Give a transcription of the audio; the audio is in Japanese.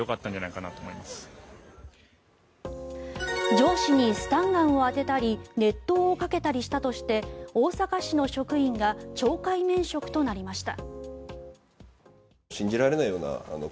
上司にスタンガンを当てたり熱湯をかけたりしたとして大阪市の職員が懲戒免職となりました。